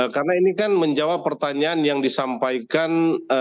karena ini kan menjawab pertanyaan yang disampaikan